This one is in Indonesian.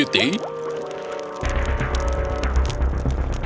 aku ingin mencari penelitianmu